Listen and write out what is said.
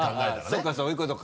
そうかそういうことか。